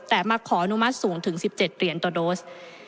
แต่มาขออนุมัติสูงถึง๑๗เหรียญต่อโดส